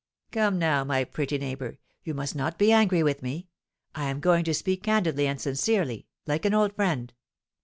"Come now, my pretty neighbour, you must not be angry with me; I am going to speak candidly and sincerely, like an old friend."